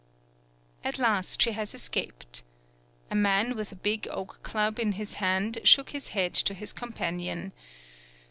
At last, she has escaped. A man with big oak club in his hand, shook his head to his companion.